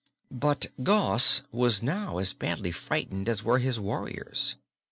But Gos was now as badly frightened as were his warriors.